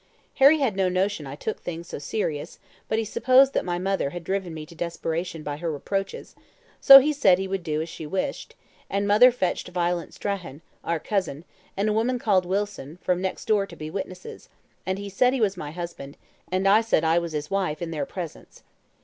"Harry had no notion I took things so serious, but he supposed that my mother had driven me to desperation by her reproaches, so he said he would do as she wished, and mother fetched Violet Strachan, our cousin, and a woman called Wilson, from next door to be witnesses, and he said he was my husband, and I said I was his wife, in their presence.